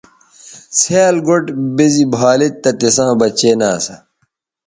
څھیال گوٹھ بے زی بھا لید تہ تِساں بچے نہ اسا۔